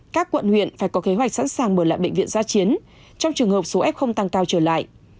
các quận huyện phải có kế hoạch sẵn sàng mở lại bệnh viện gia chiến trong trường hợp số f tăng cao trở lại